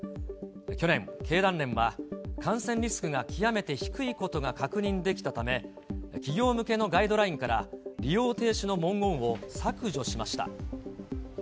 去年、経団連は感染リスクが極めて低いことが確認できたため、企業向けのガイドラインから、利用停止の文言を削除しました。